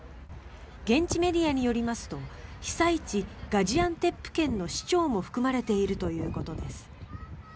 現地メディアによりますと被災地ガジアンテップ県の市長も含まれているということです。